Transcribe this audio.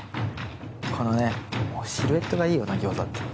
このねシルエットがいいよな餃子って。